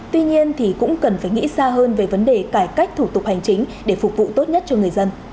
tuy nhiên thì cũng cần phải nghĩ xa hơn về vấn đề cải cách thủ tục hành chính để phục vụ tốt nhất cho người dân